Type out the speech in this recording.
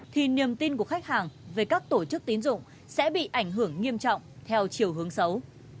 thì niềm tin của khách hàng về các tổ chức tín dụng sẽ bị ảnh hưởng nghiêm trọng theo chiều hướng xấu